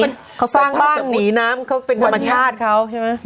เขาสร้างบ้านหนีน้ำเขาเป็นธรรมชาติเขาใช่ไหม